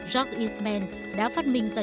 jacques eastman đã phát minh ra